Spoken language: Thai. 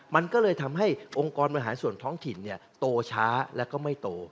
มันก็เลยทำให้องค์กรบริหารส่วนท้องถิ่นโตช้าแล้วก็ไม่โต